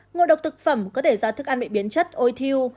ngộ độc thực phẩm có thể ra thức ăn bị biến chất ôi thiêu